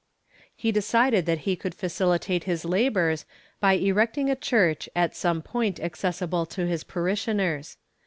He decided that he could facilitate his labors by erecting a church at some point accessible to his parishioners.